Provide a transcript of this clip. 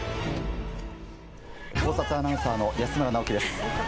考察アナウンサーの安村直樹です。